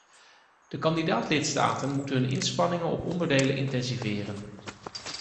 De kandidaat-lidstaten moeten hun inspanningen op onderdelen intensiveren.